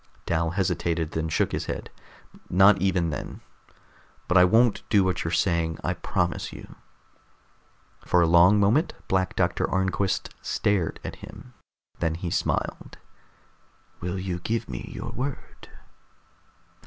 Dal hesitated, then shook his head. "Not even then. But I won't do what you're saying, I promise you." For a long moment Black Doctor Arnquist stared at him. Then he smiled. "Will you give me your word?